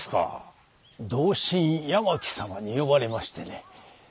同心八巻様に呼ばれましてね。